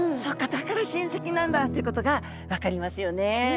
だから親せきなんだということが分かりますよね。